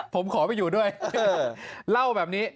ผมขอไปอยู่ด้วยเล่าแบบนี้